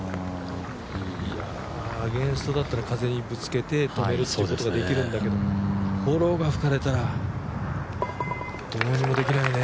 アゲンストだったら風に当てて止めるってことができるんだけど、フォローが吹かれたらどうにもできないね。